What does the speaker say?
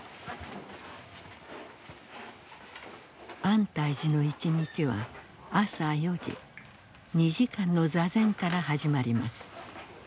安泰寺の一日は朝４時２時間の坐禅から始まります。